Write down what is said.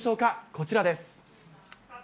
こちらです。